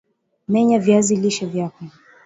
Menya viazi lishe vyako